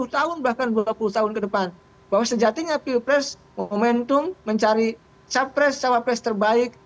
sepuluh tahun bahkan dua puluh tahun ke depan bahwa sejatinya pilpres momentum mencari capres cawapres terbaik